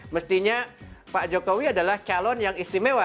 mestinya pak jokowi adalah calon yang istimewa